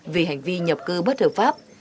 vì hành vi nhập cư bất hợp pháp